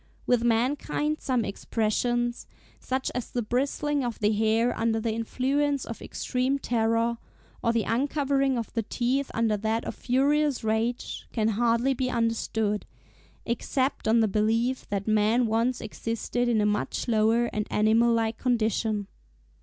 With mankind some expressions, such as the bristling of the hair under the influence of extreme terror, or the uncovering of the teeth under that of furious rage, can hardly be understood, except on the belief that man once existed in a much lower and animal like condition.